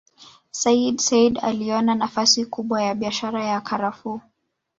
Sayyid Said aliona nafasi kubwa ya biashara ya Karafuu